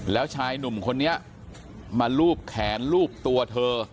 แล้วชายหนุ่มคนนี้มาลูบแขนรูปตัวเธอ